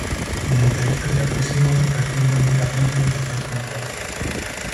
Militaristas y agresivos, reciben bonificaciones en las batallas que emprenden.